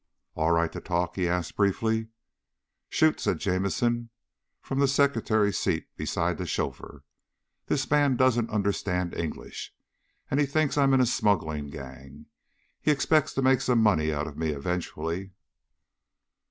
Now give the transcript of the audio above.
"All right to talk?" he asked briefly. "Shoot," said Jamison from the secretary's seat beside the chauffeur. "This man doesn't understand English, and he thinks I'm in a smuggling gang. He expects to make some money out of me eventually."